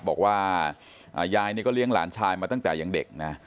บอกว่ายายเนี่ยก็เลี้ยงหลานชายมาตั้งแต่ยังเด็กนะ